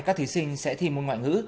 các thí sinh sẽ thi môn ngoại ngữ